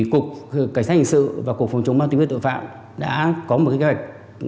cục cảnh sát hình sự và cục phòng chống bán tình huyết tội phạm đã có một kế hoạch